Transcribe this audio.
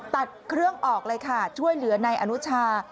ตัดเครื่องออกเลยค่ะช่วยเหลือนายอนุชา